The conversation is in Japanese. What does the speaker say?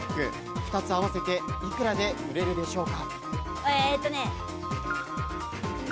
２つ合わせて、いくらで売れるでしょうか？